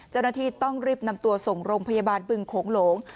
เจ้าหน้าที่ต้องรีบนำตัวส่งโรงพยาบาลบึงโขงหลง